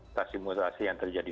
stasiun mutasi yang terjadi